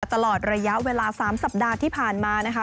ตลอดระยะเวลา๓สัปดาห์ที่ผ่านมานะคะ